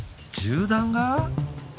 銃弾が？